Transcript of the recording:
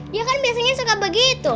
dia kan biasanya suka begitu